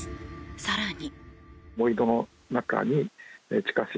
更に。